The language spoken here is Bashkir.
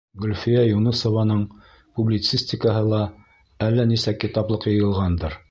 Гөлфиә Юнысованың публицистикаһы ла әллә нисә китаплыҡ йыйылғандыр.